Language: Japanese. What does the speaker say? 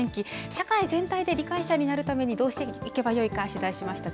社会全体で理解者になるためにどうしていけばいいか取材しました。